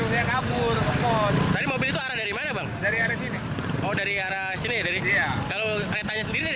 kabur tadi mobil dari mana dari sini oh dari arah sini dari kalau ketanya sendiri